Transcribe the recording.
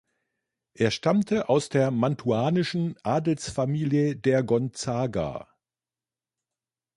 Er stammte aus der mantuanischen Adelsfamilie der Gonzaga.